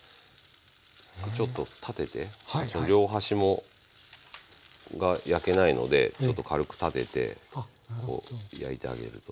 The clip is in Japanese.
ちょっと立てて両端もが焼けないのでちょっと軽く立ててこう焼いてあげると。